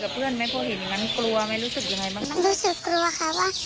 ก็ไม่ใช่ครูเหรอแต่เขาไม่ค่อยรู้จัก